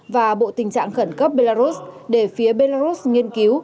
và bộ tình trạng khẩn cấp belarus để phía belarus nghiên cứu